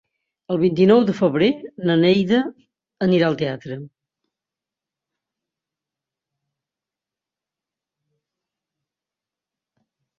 El vint-i-nou de febrer na Neida anirà al teatre.